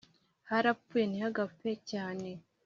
harapfuye ntihagapfe cyane